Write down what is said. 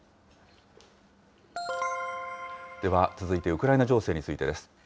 では、続いてウクライナ情勢についてです。